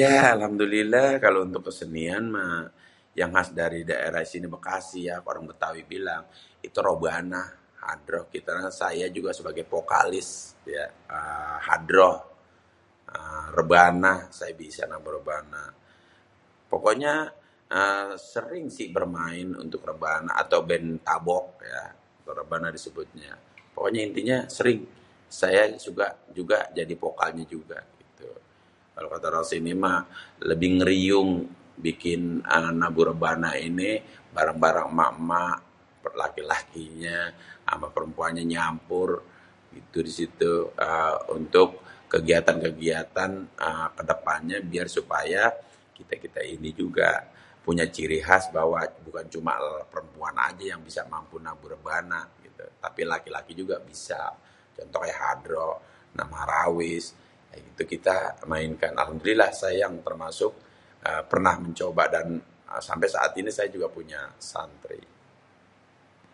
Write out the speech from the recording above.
ya alhamdulillêh kalo kesenian mah yang khas dari daerah sini bêkasi orang bêtawi bilang itu robanah hadroh saya juga sebagai pokalis ya êê hadroh rêbanah saya bisa nabuh rêbanah pokonyê sering si êê main rêbanah atau bên tabok ya rêbanah disebutnya pokoknya intinya sering-sering ya disebelah juga pokalis juga kalo kata orang sini mah lebih ngêriung bikin nabuh rêbanah ini bareng-bareng ema-êma amê laki-lakinyê amê perempuannyê nyampur itu disiituh untuk êê kegiatan kegiatan biar supaya kitê-kitê ini punya cirikhas bahwa bukan perepuan ajê yang bisa nabuh rêbanah tapi laki-laki juga bisa nabu rêbanah hadrh marawis itu kita main termasuk saya mencoba sampai saat ini saya masi punya santri